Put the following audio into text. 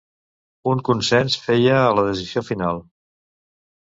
Un consens feia a la decisió final.